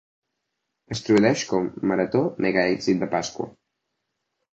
Es tradueix com "Marató Megaéxit de Pasqua".